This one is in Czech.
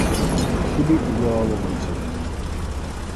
Chyby udělalo více zemí.